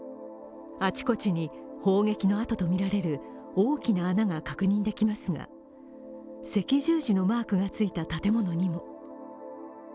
あちこちに砲撃の跡とみられる大きな穴が確認できますが赤十字のマークがついた建物にも。